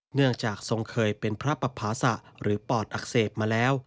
เนื่องจากทรงเคยเป็นพระปภาษะหรือปอดอักเสบมาแล้ว